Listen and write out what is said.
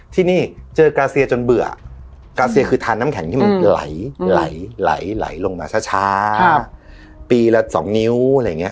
ที่นี่เจอกราเซียจนเบื่อกราเซียคือทานน้ำแข็งที่มันไหลไหลลงมาช้าปีละ๒นิ้วอะไรอย่างนี้